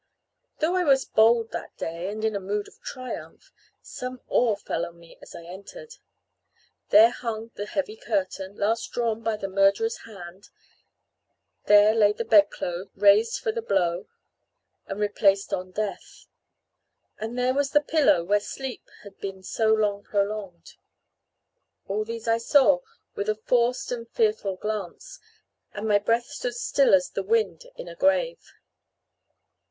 Though I was bold that day, and in a mood of triumph, some awe fell on me as I entered. There hung the heavy curtain, last drawn by the murderer's hand; there lay the bed clothes, raised for the blow, and replaced on death; and there was the pillow where sleep had been so prolonged. All these I saw with a forced and fearful glance, and my breath stood still as the wind in a grave.